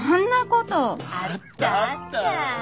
あったあった。